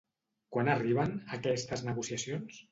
Quan arriben, aquestes negociacions?